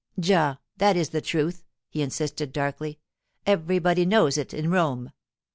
Già, that is the truth,' he insisted darkly. 'Everybody knows it in Rome.